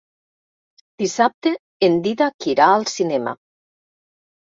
Dissabte en Dídac irà al cinema.